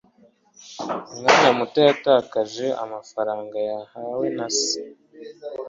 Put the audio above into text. umwana muto yatakaje amafaranga yahawe na se